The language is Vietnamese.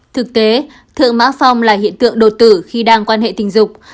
thực tế thượng mã phong là hiện tượng đột tử khi đang quan hệ tình dục